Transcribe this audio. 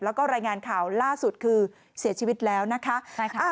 แล้วก็รายงานข่าวล่าสุดคือเสียชีวิตแล้วนะคะ